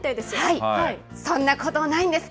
そんなことないんです。